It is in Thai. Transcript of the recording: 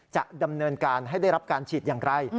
จะดำเนินการให้ได้รับการฉีดอย่างไร